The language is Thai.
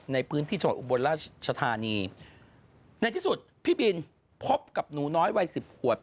ในพื้นที่โจทย์บนราชธานีในที่สุดพี่บินพบกับหนูน้อยวัย๑๐ขวด